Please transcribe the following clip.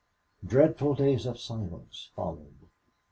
Dreadful days of silence followed.